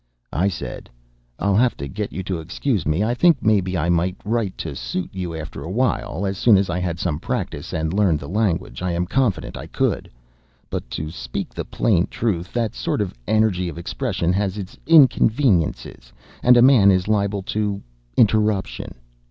I said, "I'll have to get you to excuse me; I think maybe I might write to suit you after a while; as soon as I had had some practice and learned the language I am confident I could. But, to speak the plain truth, that sort of energy of expression has its inconveniences, and a man is liable to interruption.